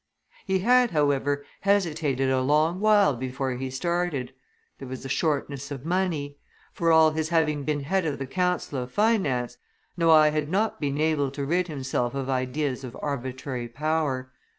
He had, however, hesitated a long while before he started. There was a shortness of money. For all his having been head of the council of finance, Noailles had not been able to rid himself of ideas of arbitrary power.